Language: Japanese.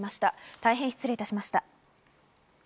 大変失礼いたしました。